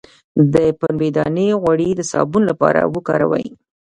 د پنبې دانه غوړي د صابون لپاره وکاروئ